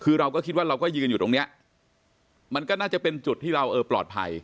คือเราก็คิดว่าเราก็ยืนอยู่ตรงเนี้ยมันก็น่าจะเป็นจุดที่เราเออปลอดภัย